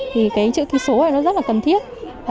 thì cái chữ ký số này nó rất là cần thiết